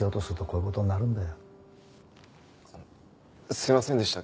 すいませんでした